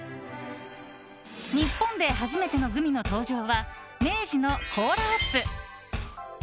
日本で初めてのグミの登場は明治のコーラアップ。